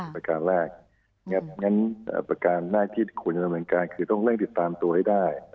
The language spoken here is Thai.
ประการถึงนั่งที่ควรต้องทราบเหมือนกันคือต้องเร่งติดตามรับตัวให้ได้